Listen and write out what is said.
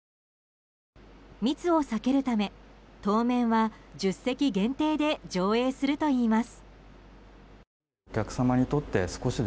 密を避けるため当面は１０席限定で上映するといいます。